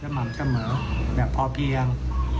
อ่ะมันก็เหมือนแบบพอเพียง